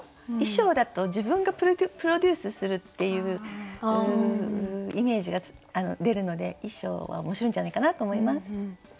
「衣装」だと自分がプロデュースするっていうイメージが出るので「衣装」は面白いんじゃないかなと思います。